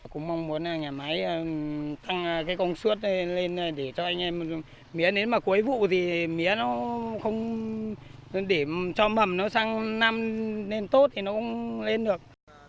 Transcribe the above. cũng mong muốn nhà máy tăng cái công suất lên để cho anh em mía đến mà cuối vụ thì mía nó không để cho mầm nó sang năm nên tốt thì nó cũng lên được